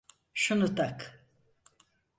Şunu tak.